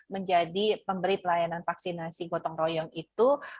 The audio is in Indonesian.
menjadi pemberi pelayanan vaksinasi gotong royong itu